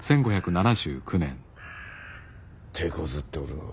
てこずっておるのう。